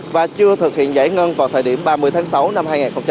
và chưa thực hiện giải ngân vào thời điểm ba mươi tháng sáu năm hai nghìn hai mươi